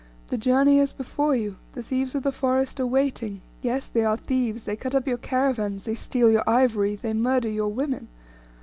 the journey is before you, the thieves of the forest are waiting; yes, they are thieves, they cut up your caravans, they steal your ivory, they murder your women.